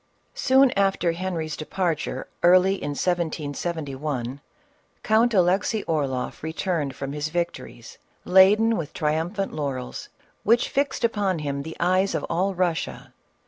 Soon after Henry's departure early in 1771, Count Alexey Orloff returned from his victories, laden with triumphant laurels which fixed upon him the eyes of all Russia.